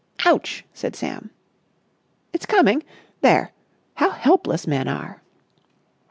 "Ouch!" said Sam. "It's coming. There! How helpless men are!"